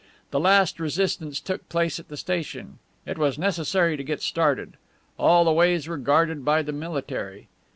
The last resistance took place at the station. It was necessary to get started. All the ways were guarded by the military.